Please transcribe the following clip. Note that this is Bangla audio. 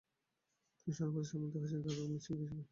তিনি স্বর্ণপদকে সম্মানিত হয়েছেন জাদুকর মৃৎশিল্পী হিসাবে।